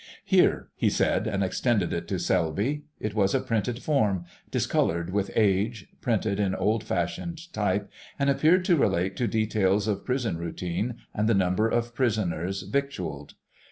"Here!" he said, and extended it to Selby. It was a printed form, discoloured with age, printed in old fashioned type, and appeared to relate to details of prison routine and the number of prisoners victualled.